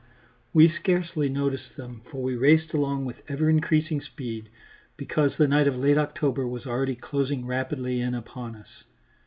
We scarcely noticed them, for we raced along with ever increasing speed, because the night of late October was already closing rapidly in upon us.